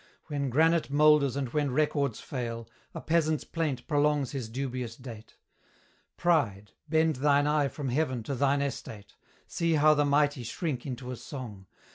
When granite moulders and when records fail, A peasant's plaint prolongs his dubious date. Pride! bend thine eye from heaven to thine estate, See how the mighty shrink into a song!